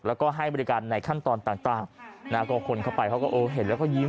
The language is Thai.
แล้วก็ให้บริการในขั้นตอนต่างนะฮะก็คนเข้าไปเขาก็โอ้เห็นแล้วก็ยิ้ม